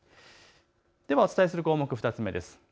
お伝えする項目、２つ目です。